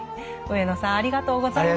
上野さんありがとうございました。